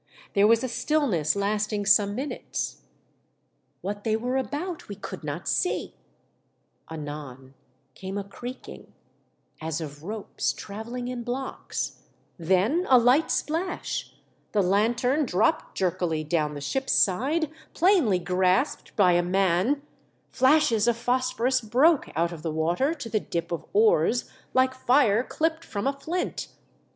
There was a still ness lasting some minutes. What they were about we could not see ; anon came a creak ing, as of ropes travelling in blocks, then a light splash ; the lanthorn dropped jerkily down the ship's side, plainly grasped by a man ; flashes of phosphorus broke out of the water to the dip of oars, like fire clipped from a flint.